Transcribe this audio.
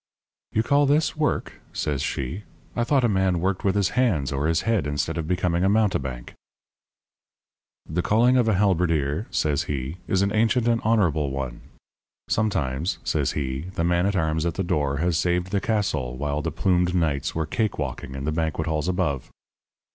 "'You call this work?' says she. 'I thought a man worked with his hands or his head instead of becoming a mountebank.' "'The calling of a halberdier,' says he, 'is an ancient and honourable one. Sometimes,' says he, 'the man at arms at the door has saved the castle while the plumed knights were cake walking in the banquet halls above.'